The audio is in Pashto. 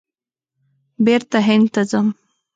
بېرته هند ته ځم !